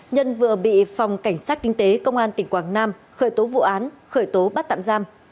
nhân vừa bị phòng cảnh sát kinh tế công an tp hcm khởi tố vụ án khởi tố bắt tạm giam